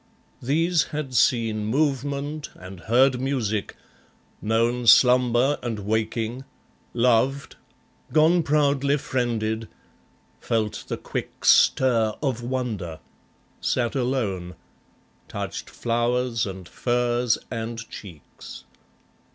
These had seen movement, and heard music; known Slumber and waking; loved; gone proudly friended; Felt the quick stir of wonder; sat alone; Touched flowers and furs and cheeks.